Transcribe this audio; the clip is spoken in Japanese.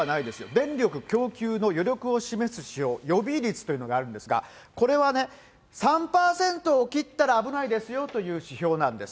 電力供給の余力を示す指標、予備率というのがあるんですが、これは３％を切ったら危ないですよという指標なんです。